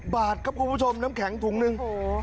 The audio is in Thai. บาทครับคุณผู้ชมน้ำแข็งถุงหนึ่ง